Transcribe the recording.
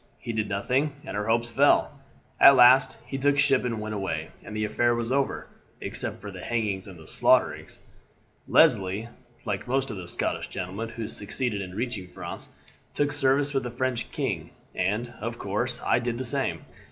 He did nothing, and our hopes fell. At last he took ship and went away, and the affair was over, except for the hangings and slaughterings. "Leslie, like most of the Scottish gentlemen who succeeded in reaching France, took service with the French king, and, of course, I did the same.